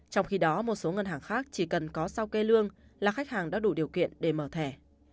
trong khi đó một số ngân hàng khác chỉ cần có sao kê lương là khách hàng đã đủ điều kiện để mở thẻ